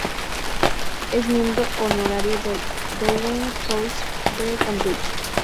Es miembro honorario del "Downing College" de Cambridge.